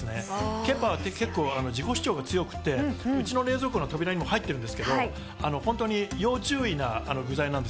ケッパーって結構、自己主張が強くて、うちの冷蔵庫の扉にも入ってるんですけど、本当に要注意な具材。